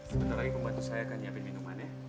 sebentar lagi pembantu saya akan nyamper minuman ya